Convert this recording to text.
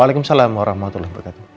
waalaikumsalam alhamdulillah berkat berkat